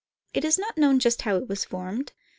It is not known just how it was. formed.